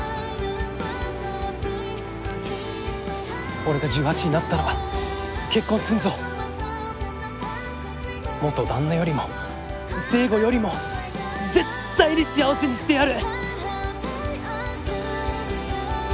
俺が１８になったら結婚すんぞ元旦那よりも成吾よりも絶対に幸せにしてやる！